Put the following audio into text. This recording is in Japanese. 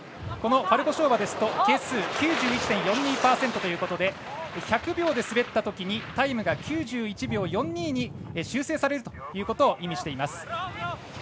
このファルコショーワですと係数９１．４２％ということで１００秒で滑ったときタイムが９１秒４２に修正されることを意味しています。